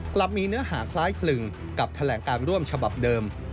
กลับมีเนื้อหาคล้ายคลึงกับแถลงการร่วมฉบับเดิม